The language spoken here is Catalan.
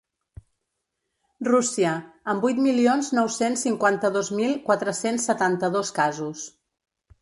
Rússia, amb vuit milions nou-cents cinquanta-dos mil quatre-cents setanta-dos casos.